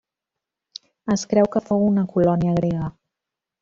Es creu que fou una colònia grega.